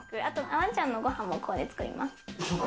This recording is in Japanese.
ワンちゃんのご飯もここで作ります。